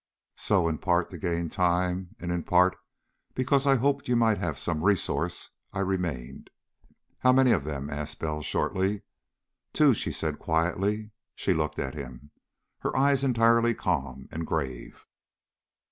So, in part to gain time, and in part because I hoped you might have some resource, I remained." "How many of them?" asked Bell shortly. "Two," she said quietly. She looked at him, her large eyes entirely calm and grave.